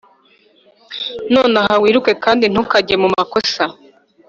"nonaha wiruke, kandi ntukajye mu makosa.